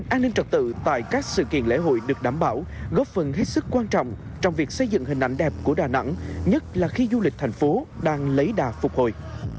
an ninh trật tự tại các sự kiện lễ hội được đảm bảo góp phần hết sức quan trọng trong việc xây dựng hình ảnh đẹp của đà nẵng nhất là khi du lịch thành phố đang lấy đà phục hồi